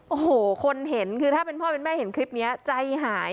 โอ้โหคนเห็นคือถ้าเป็นพ่อเป็นแม่เห็นคลิปนี้ใจหาย